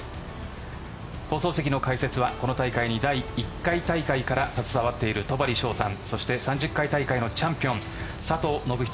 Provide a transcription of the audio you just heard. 放送席の解説は、この大会に第１回大会から携わっている戸張捷さん３０回大会のチャンピオン佐藤信人